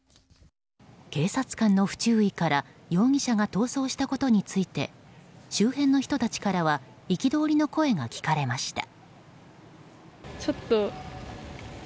警察官の不注意から容疑者が逃走したことについて周辺の人たちからは憤りの声が聞かれました。